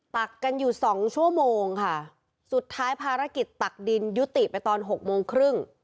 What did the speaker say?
ตักกันอยู่สองชั่วโมงค่ะสุดท้ายภารกิจตักดินยุติไปตอนหกโมงครึ่ง